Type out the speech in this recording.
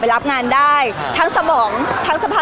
พี่ตอบได้แค่นี้จริงค่ะ